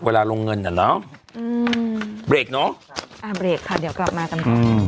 เวลารงเงินน่ะเนอะอือเปรคเนอะอ่าเดี๋ยวกลับมาก่อน